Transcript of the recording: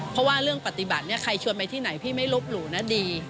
เพราะว่าเรื่องปฏิบัติเนี่ยใครชวนไปที่ไหนพี่ไม่ลบหลู่นะดี